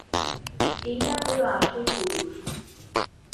এই না হলো আসল পুরুষ!